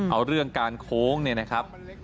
เอาเรื่องการโค้งเนี่ยนะครับ